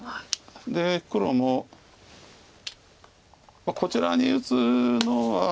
で黒もこちらに打つのは。